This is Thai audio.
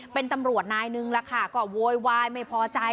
เป็นตำรวจนายนึงล่ะค่ะก็โวยวายไม่พอใจ